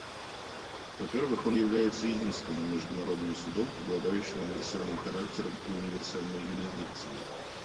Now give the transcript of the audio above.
Во-первых, он является единственным международным судом, обладающим универсальным характером и универсальной юрисдикцией.